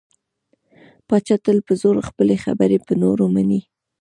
پاچا تل په زور خپلې خبرې په نورو مني .